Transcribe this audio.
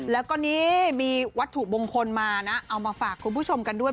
แล้วก็นี่มีวัตถุมงคลมานะเอามาฝากคุณผู้ชมกันด้วย